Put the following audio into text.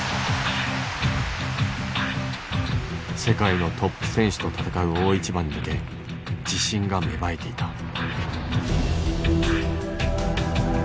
世界のトップ選手と戦う大一番に向け自信が芽生えていた。